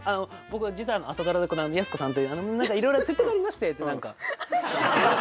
「僕は実は朝ドラでこの安子さんと何かいろいろ設定がありまして」って何か。